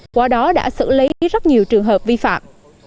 qua đó đã xử lý rất nhiều trường hợp vi phạm